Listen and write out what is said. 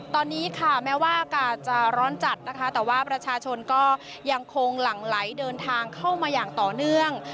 ตอนนี้ค่ะแม้ว่าอากาศจะร้อนจัดนะคะแต่ว่าประชาชนก็ยังคงหลั่งไหลเดินทางเข้ามาอย่างต่อเนื่อง